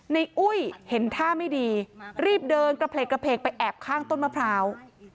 อุ้ยเห็นท่าไม่ดีรีบเดินกระเพกไปแอบข้างต้นมะพร้าว